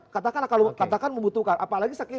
katakanlah kalau katakan membutuhkan apalagi sakit